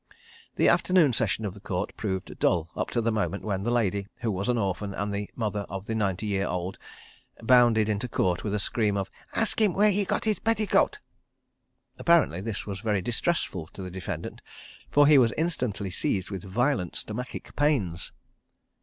The afternoon session of the Court proved dull up to the moment when the lady who was an orphan and the mother of the ninety year old, bounded into Court with a scream of: "Ask him where he got his petticoat!" Apparently this was very distressful to the defendant, for he was instantly seized with violent stomachic pains.